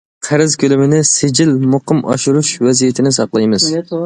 قەرز كۆلىمىنى سىجىل، مۇقىم ئاشۇرۇش ۋەزىيىتىنى ساقلايمىز.